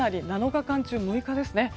７日間中６日ですね。